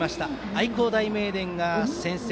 愛工大名電が先制。